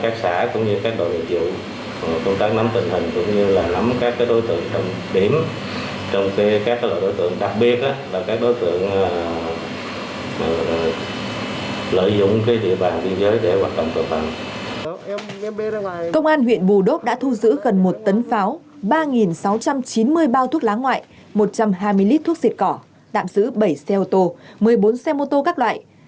công an huyện bù đốc đã thu giữ gần một tấn pháo ba sáu trăm chín mươi bao thuốc lá ngoại một trăm hai mươi lít thuốc xịt cỏ tạm giữ bảy xe ô tô một mươi bốn xe mô tô các loại